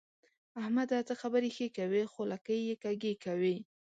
احمده! ته خبرې ښې کوې خو لکۍ يې کږې کوي.